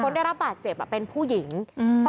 ได้รับบาดเจ็บอ่ะเป็นผู้หญิงอืม